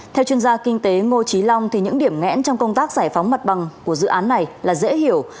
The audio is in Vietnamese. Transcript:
theo chuyên gia kinh tế ngô trí long thì những điểm ngẽn trong công tác giải phóng mặt bằng của dự án này là dễ hiểu